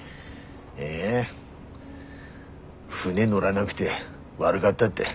え船乗らなくて悪がったって。